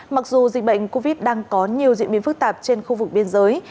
mặc dù dịch bệnh covid đang có nhiều diễn biến phức tạp trên khu vực biên giới